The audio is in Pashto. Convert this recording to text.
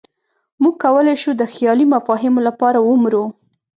موږ کولی شو د خیالي مفاهیمو لپاره ومرو.